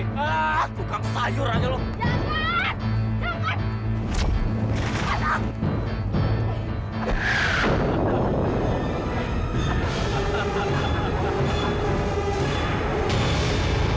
wah kita orang ini punya pasangan android